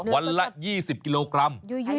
วันละ๒๐กิโลกรัม